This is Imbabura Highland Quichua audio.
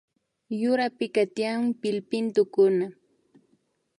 Yurapika tiyan pillpintukuna